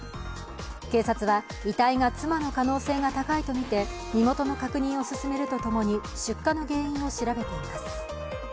警察は遺体が妻の可能性が高いとみて身元の確認を進めるとともに出火の原因を調べています。